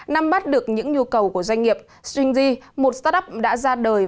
năm mắt được những nhu cầu của doanh nghiệp stringy một startup đã ra đời